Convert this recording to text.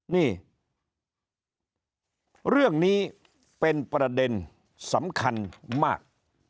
นี่เรื่องนี้เป็นประเด็นสำคัญมาก